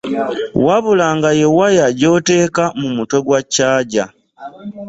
Wabula nga yewaya jjoteeka mu mutwe gwa ccagya.